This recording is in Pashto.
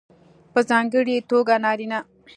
په ځانګړې توګه نارینه